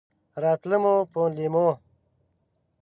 راتله مو په لېمو!